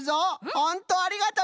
ほんとありがとね。